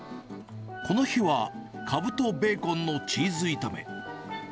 この日はかぶとベーコンのチーズ炒め。